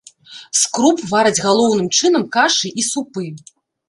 З круп вараць галоўным чынам кашы і супы.